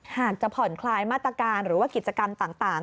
หากจะผ่อนคลายมาตรการหรือว่ากิจกรรมต่าง